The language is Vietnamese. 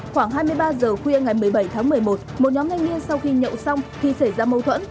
khoảng hai mươi ba h khuya ngày một mươi bảy tháng một mươi một một nhóm ngay nghiêng sau khi nhậu xong thì xảy ra mâu thuẫn